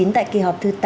tại kỳ họp thứ tám